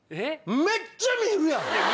めっちゃ見えるやん！